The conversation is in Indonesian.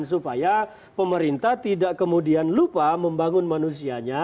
supaya pemerintah tidak kemudian lupa membangun manusianya